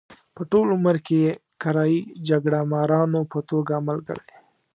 په ټول عمر کې یې کرایي جګړه مارانو په توګه عمل کړی.